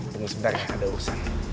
tunggu sebentar ya ada urusan